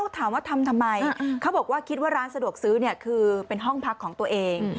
ถามว่าทำทำไมเขาบอกว่าคิดว่าร้านสะดวกซื้อคือเป็นห้องพักของตัวเอง